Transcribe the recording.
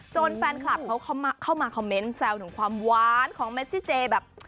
แฟนคลับเขาเข้ามาคอมเมนต์แซวถึงความหวานของเมซิเจแบบ